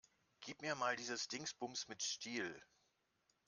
Gib mir mal dieses Dingsbums mit Stiel.